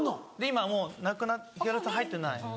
今もうヒアルロン酸入ってない。